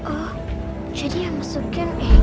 oh jadi yang masukin egy